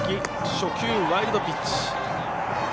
初球ワイルドピッチ。